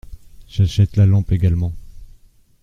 J’achète la lampe également.